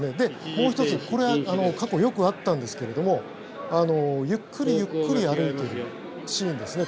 もう１つ、これは過去よくあったんですけれどもゆっくりゆっくり歩いているシーンですね。